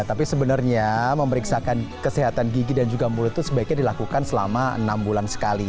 tapi sebenarnya memeriksakan kesehatan gigi dan juga mulut itu sebaiknya dilakukan selama enam bulan sekali